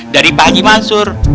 dari pakji mansur